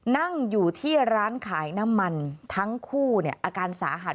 นั่งอยู่ที่ร้านขายน้ำมันทั้งคู่เนี่ยอาการสาหัส